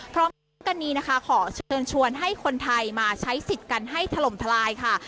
พร้อมกันนี้นะคะขอเชิญชวนให้คนไทยมาใช้สิทธิ์กันให้ถล่มทลายค่ะ